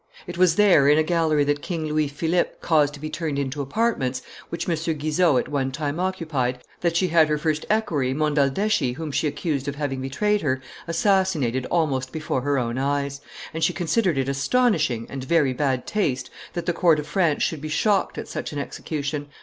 It was there, in a gallery that King Louis Philippe caused to be turned into apartments, which M. Guizot at one time occupied, that she had her first equerry, Monaldeschi, whom she accused of having betrayed her, assassinated almost before her own eyes; and she considered it astonishing, and very bad taste, that the court of France should be shocked at such an execution.